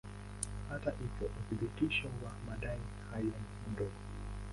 Hata hivyo uthibitisho wa madai hayo ni mdogo.